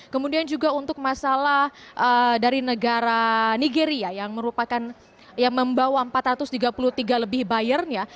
kemudian juga untuk masalah dari negara nigeria yang merupakan yang membawa empat ratus tiga puluh tiga lebih buyernya